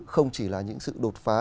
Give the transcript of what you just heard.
không chỉ là những sự đột phá